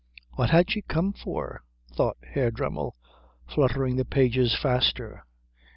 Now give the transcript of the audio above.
What had she come for? thought Herr Dremmel, fluttering the pages faster.